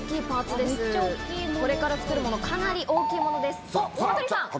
これから作るもの、かなり大きいものです。